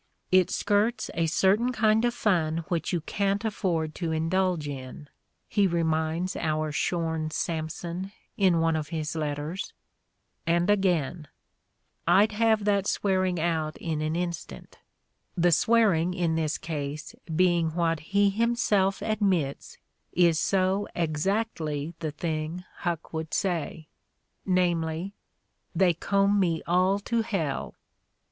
"It skirts a certain kind of fun which you can't afford to indulge in, " he reminds our shorn Samson in one of his letters; and again, "I'd have that swearing out in an instant," the "swearing" in this case being what he himself admits is "so exactly the thing Huck would say" — namely, "they comb me aU to hell."